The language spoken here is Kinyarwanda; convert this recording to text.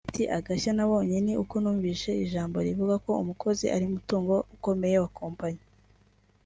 Agira ati “Agashya nabonye ni uko numvise ijambo rivuga ko umukozi ari umutungo ukomeye wa Kompanyi